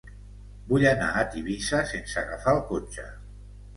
Vull anar a Tivissa sense agafar el cotxe.